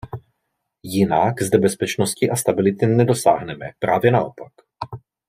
Jinak zde bezpečnosti a stability nedosáhneme, právě naopak.